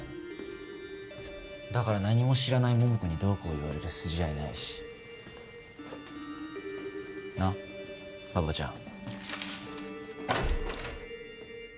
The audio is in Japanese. だから何も知らない桃子にどうこう言われる筋合いないしなっ馬場ちゃん